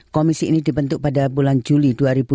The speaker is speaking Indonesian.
komisi ini dibentuk pada bulan juli dua ribu dua puluh